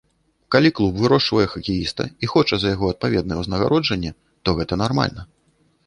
Калі клуб вырошчвае хакеіста і хоча за яго адпаведнае ўзнагароджанне, то гэта нармальна.